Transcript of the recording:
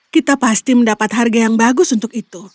kita pasti mendapat harga yang bagus untuk itu